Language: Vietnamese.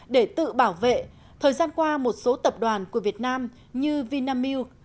để tự bảo vệ thời gian qua một số tập đoàn của việt nam như vinamilk